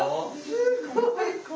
すっごい。